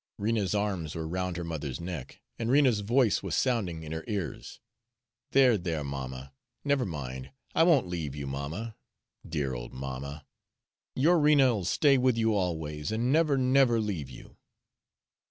Rena's arms were round her mother's neck, and Rena's voice was sounding in her ears. "There, there, mamma! Never mind! I won't leave you, mamma dear old mamma! Your Rena'll stay with you always, and never, never leave you."